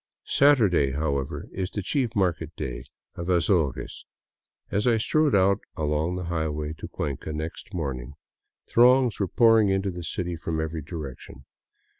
Saturday, however, is the chief market day of Azogues. As I strode out along the highway to Cuenca next morning, throngs were pouring into the city from every direction.